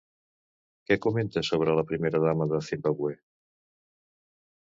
Què comenta sobre la primera dama de ZImbàbue?